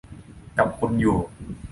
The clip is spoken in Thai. กับคุณอยู่